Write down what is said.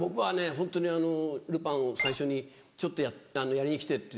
ホントにルパンを最初に「ちょっとやりに来て」って。